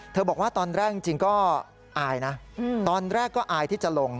บอกว่าตอนแรกจริงก็อายนะตอนแรกก็อายที่จะลง